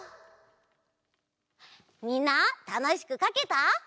みんなたのしくかけた？